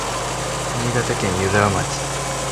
新潟県湯沢町